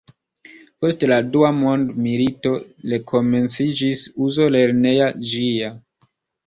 Post la Dua mondmilito rekomenciĝis uzo lerneja ĝia.